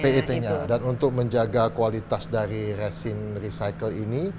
pit nya dan untuk menjaga kualitas dari resim recycle ini